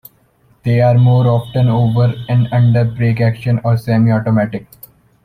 They are more often over and under break-action or semi-automatic.